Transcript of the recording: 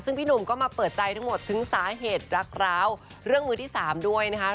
ซึ่งพี่หนุ่มก็มาเปิดใจทั้งหมดถึงสาเหตุรักร้าวเรื่องมือที่สามด้วยนะคะ